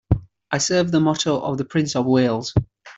I serve the motto of the Prince of Wales.